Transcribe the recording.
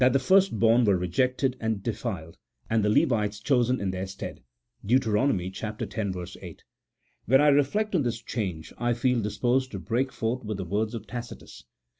233 the firstborn were rejected and defiled, and the Levites chosen in their stead (Dent. x. 8). When I reflect on this change, I feel disposed to break forth with the words of Tacitns.